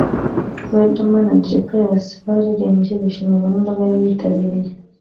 Riderman na Dj Pius bararirimbye bishimirwa n’imbaga yari yitabiriye